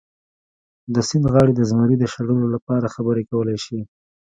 د سیند غاړې د زمري د شړلو لپاره خبرې کولی شي.